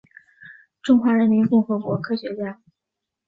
中华人民共和国科学家。